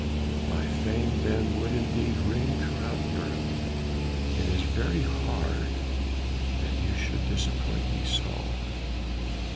My fame then would indeed ring throughout Europe.... It is very hard that you should disappoint me so."